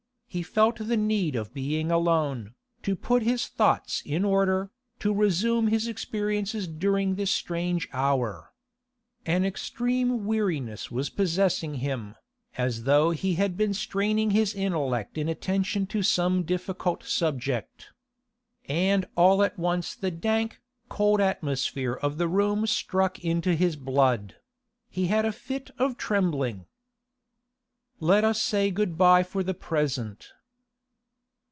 He felt the need of being alone, to put his thoughts in order, to resume his experiences during this strange hour. An extreme weariness was possessing him, as though he had been straining his intellect in attention to some difficult subject. And all at once the dank, cold atmosphere of the room struck into his blood; he had a fit of trembling. 'Let us say good bye for the present.